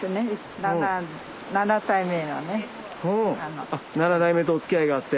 ７代目とお付き合いがあって。